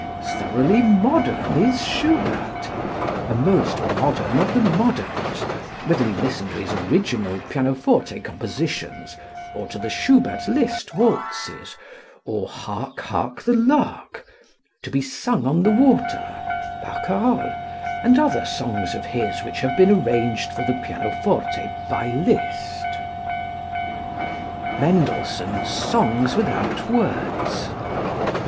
Thoroughly modern is Schubert, a most modern of the moderns, whether we listen to his original pianoforte compositions, or to the Schubert Liszt waltzes, or "Hark, Hark, the Lark," "To Be Sung on the Water" (barcarolle) and other songs of his which have been arranged for the pianoforte by Liszt. Mendelssohn's "Songs Without Words."